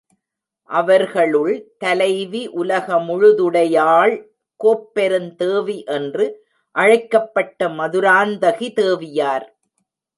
அவர்களுள் தலைவி உலகமுழு துடையாள் கோப்பெருந்தேவி என்று அழைக்கப்பட்ட மதுராந்தகி தேவியார்.